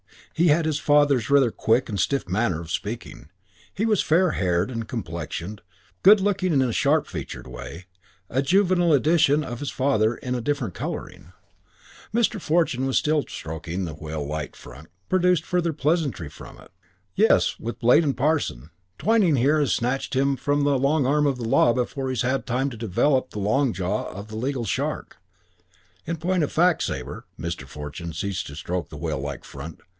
He had his father's rather quick and stiff manner of speaking. He was fair haired and complexioned, good looking in a sharp featured way, a juvenile edition of his father in a different colouring. Mr. Fortune, still stroking the whale like front, produced further pleasantry from it. "Yes, with Blade and Parson. Twyning here has snatched him from the long arm of the law before he has had time to develop the long jaw of the legal shark. In point of fact, Sabre" Mr. Fortune ceased to stroke the whale like front.